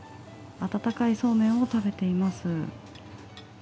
温かいそうめんを食べています。